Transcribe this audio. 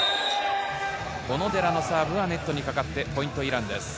小野寺のサーブはネットにかかってポイント、イランです。